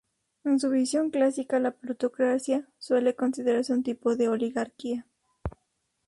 En su visión clásica, la plutocracia suele considerarse un tipo de oligarquía.